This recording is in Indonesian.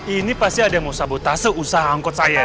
ini pasti ada yang mau sabotase usaha angkot saya